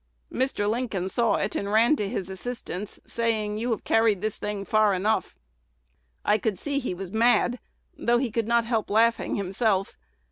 Mr. Lincoln saw it, and ran to his assistance, saying, 'You have carried this thing far enough.' I could see he was mad, though he could not help laughing himself.